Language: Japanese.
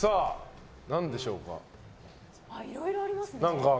いろいろありますね。